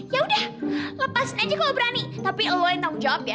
ya udah lepas aja kalau berani tapi lo yang tahu jawab ya